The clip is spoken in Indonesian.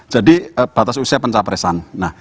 jadi batas usia pencapresan